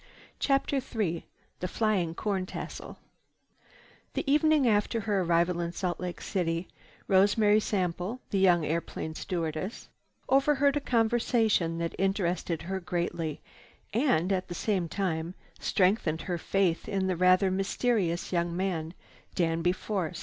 CHAPTER III THE "FLYING CORNTASSEL" The evening after her arrival in Salt Lake City, Rosemary Sample, the young airplane stewardess, overheard a conversation that interested her greatly and at the same time strengthened her faith in the rather mysterious young man, Danby Force.